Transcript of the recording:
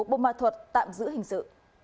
bô ma thuật tạm giữ hình sự